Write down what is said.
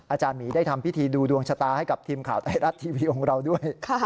อาจารย์หมีได้ทำพิธีดูดวงชะตาให้กับทีมข่าวไทยรัฐทีวีของเราด้วย